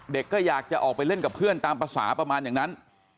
เด็กก็อยากจะออกไปเล่นกับเพื่อนตามภาษาประมาณอย่างนั้น